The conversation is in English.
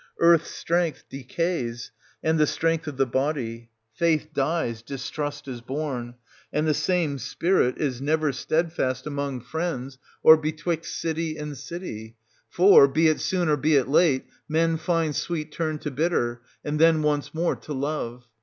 Earth's strength decays, and the 610 strength of the body ; faith dies, distrust is born ; and the same spirit is never steadfast among friends, or 6—2 84 SOPHOCLES. [614—643 betwixt city and city ; for, be it soon or be it late, men find sweet turn to bitter, and then once more to love.